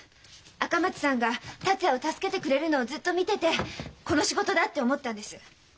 赤松さんが達也を助けてくれるのをずっと見てて「この仕事だ」って思ったんです。